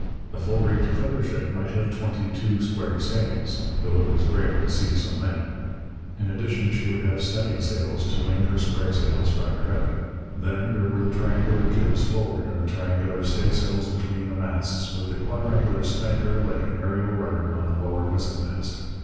A full rigged clipper ship might have twenty two square sails, though it was rare to see so many. In addition she would have studding sails to wing her square sails farther out. Then, there were the triangular jibs forward and the triangular staysails between the masts, with the quadrangular spanker like an aerial rudder on the lower mizzenmast.